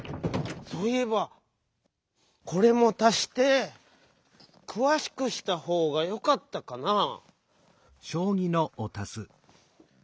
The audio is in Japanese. そういえばこれも足してくわしくしたほうがよかったかなぁ。